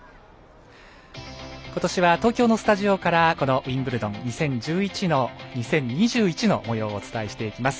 ことしは東京のスタジオからウィンブルドン２０２１のもようをお伝えしていきます。